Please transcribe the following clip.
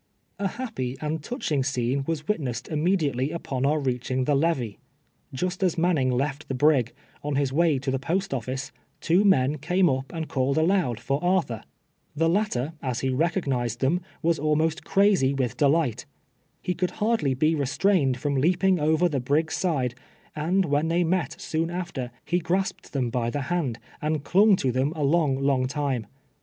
A happy and touching scene was witnessed imme diately upon our reaching the levee. Just as Man ning left the brig, on his way to the post oftice, two men came up aud called aloud for Arthur. The lat AETntJR's EESCUE. Y5 ter, as lie recognized tliein, was almost crazy witli de light. He could liarilly be restrained from leaping over the brig's side ; and wlion tliej met soon after, he grasped them by the hand, and clung to tlicm a long, long time.